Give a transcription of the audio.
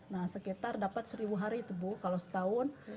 nah sekitar dapat seribu hari itu bu kalau setahun